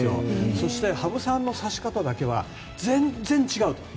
そして、羽生さんの指し方だけは全然、違うと。